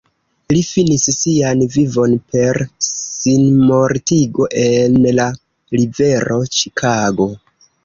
Li finis sian vivon per sinmortigo en la Rivero Ĉikago.